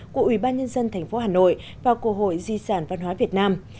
của ủy ban nhân dân tp hà nội và cổ hội di sản văn hóa việt nam